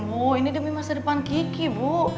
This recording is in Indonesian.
bu ini demi masa depan gigi bu